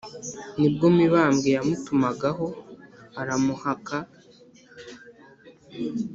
Ni bwo Mibambwe yamutumagaho aramuhaka